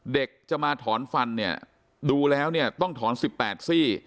เด็กจะมาถอนฟันดูแล้วต้องถอนสิบแปดซี่